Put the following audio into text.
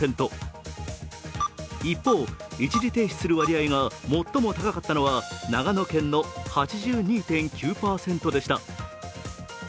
一方、一時停止する割合が最も高かったのは長野県の８２．９％でした。